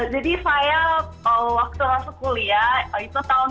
jadi saya waktu masuk kuliah itu tahun dua ribu lima belas